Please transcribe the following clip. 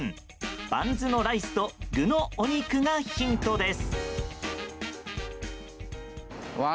バンズのライスと具のお肉がヒントです。